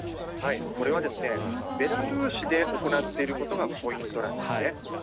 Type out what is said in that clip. これはベラルーシで行っていることがポイントなんですね。